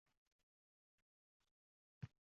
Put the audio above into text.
Aks holda, quda-andachilik munosabatlari soviydi, degani